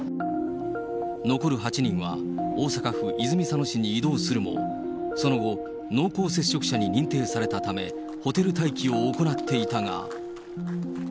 残る８人は大阪府泉佐野市に移動するも、その後、濃厚接触者に認定されたため、ホテル待機を行っていたが。